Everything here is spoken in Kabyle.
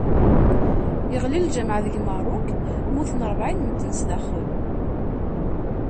Yeɣli lǧameɛ deg Merruk, mmuten rebɛin n medden sdaxel.